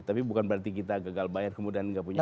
tapi bukan berarti kita gagal bayar kemudian nggak punya